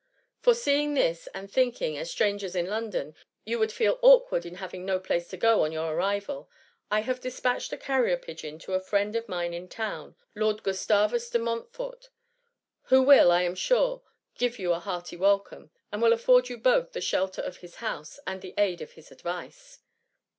Foreseeing this, and thinking, as strangers in London, you would feel awkward in having no place to go to on your arrival, I have dispatched a carrier pigeon to a friend of mine in town, Lord Gustavus de Montfort, who will, I am sure, give you a hearty welcome, and will afford you both the shelter of his house, and the aid of his advice.